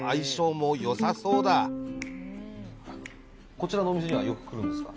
こちらのお店にはよく来るんですか？